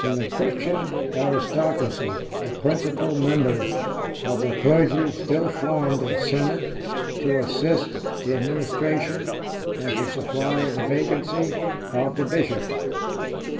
In the Christian aristocracy, the principal members of the clergy still formed a senate to assist the administration, and to supply the vacancy, of the bishop.